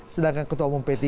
sedangkan ketua umum p tiga